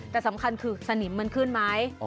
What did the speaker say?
แต่สำคัญคือสนิมมันขึ้นไหม